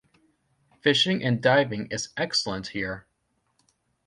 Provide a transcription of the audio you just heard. Fishing and diving is excellent here.